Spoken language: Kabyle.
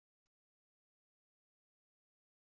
Dys tanemmirt i semmes wussan.